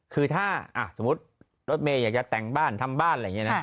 คือถ้าสมมุติรถเมย์อยากจะแต่งบ้านทำบ้านอะไรอย่างนี้นะ